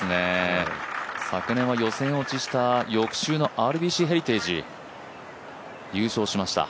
昨年は予選落ちした翌週のＲＢＣヘリテイジ、優勝しました。